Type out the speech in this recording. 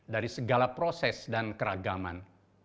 dari segala proses dan keragaman